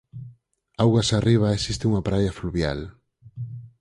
Augas arriba existe unha praia fluvial.